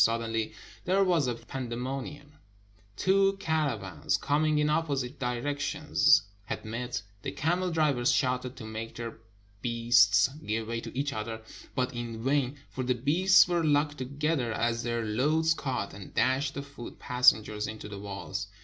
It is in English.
Suddenly there was a pandemo nium : two caravans coming in opposite directions had met, the camel drivers shouted to make their beasts give way to each other, but in vain; for the beasts were locked together as their loads caught, and dashed the foot pas sengers into the walls.